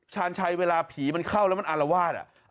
ชาญชัยเวลาผีมันเข้าแล้วมันอารวาส